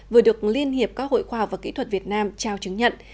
vừa được liên hiệp các hội khoa và kỹ thuật việt nam trao chứng nhận